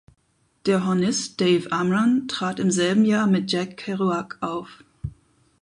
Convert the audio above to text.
Der Hornist Dave Amram trat im selben Jahr mit Jack Kerouac auf.